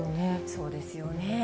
そうですよね。